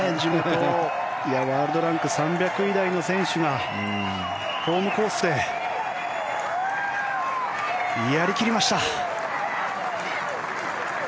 ワールドランク３００位台の選手がホームコースでやり切りました。